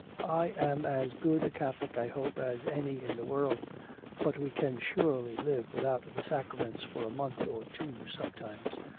" I am as good a Catholic, I hope, as any in the world; but we can surely live without the sacraments for a month or two sometimes